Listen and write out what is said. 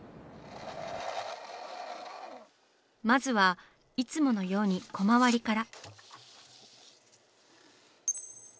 まずはいつものようにコマ割りから。